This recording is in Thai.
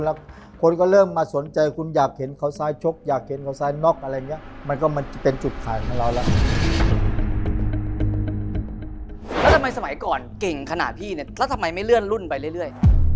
แล้วทำไมสมัยก่อนเก่งขนาดพี่เนี่ยแล้วทำไมไม่เลื่อนรุ่นไปเรื่อย